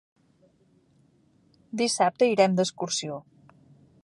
Dissabte irem d'excursió.